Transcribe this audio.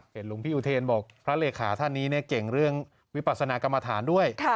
หลวงพี่อุเทนบอกพระเลขาท่านนี้เก่งเรื่องวิปัสนากรรมฐานด้วย